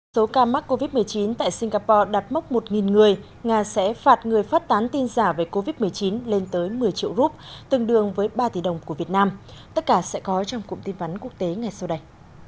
số ca mắc covid một mươi chín tại singapore đặt mốc một người nga sẽ phạt người phát tán tin giả về covid một mươi chín lên tới một mươi triệu rup tương đương với ba tỷ đồng của việt nam tất cả sẽ có trong cụm tin vắn quốc tế ngày sau đây